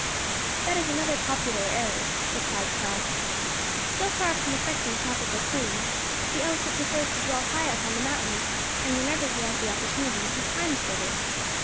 "That is another popular error," replied Karl. "So far from affecting tropical plains, the elephant prefers to dwell high up on the mountains; and whenever he has the opportunity, he climbs thither.